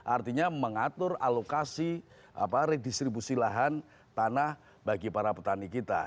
artinya mengatur alokasi redistribusi lahan tanah bagi para petani kita